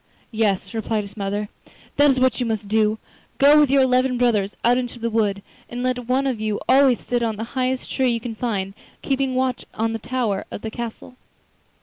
'Yes,' replied his mother, 'that is what you must do—go with your eleven brothers out into the wood, and let one of you always sit on the highest tree you can find, keeping watch on the tower of the castle.